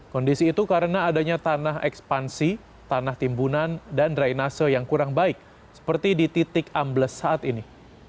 kondisi itu karena adanya tanah ekspansi tanah timbunan dan drainase yang kurang baik seperti di titik ambles saat ini